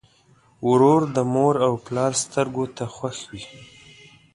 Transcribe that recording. ورور د مور او پلار سترګو ته خوښ وي.